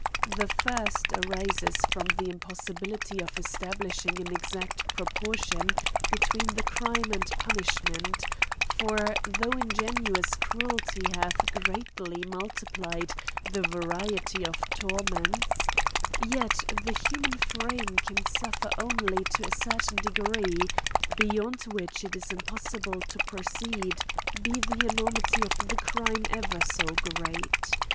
The first arises from the impossibility of esta blishing an exact proportion between the crime and punishment ; for though ingenious cruelty hath greatly multiplyed the variety of torments, yet the human frame can sufier only to a certain degree, beyond which it is impossible to proceed, be the enormity of the crime ever so great.